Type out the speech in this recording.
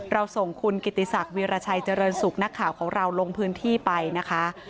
เราส่งคุณกิติศักดิราชัยเจริญสุขนักข่าวของเราลงพื้นที่ไปนะคะ